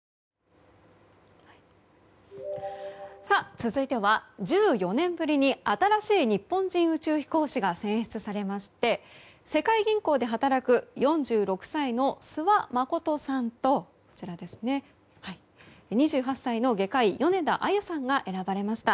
続いては、１４年ぶりに新しい日本人宇宙飛行士が選出されまして世界銀行で働く４６歳の諏訪理さんと２８歳の外科医、米田あゆさんが選ばれました。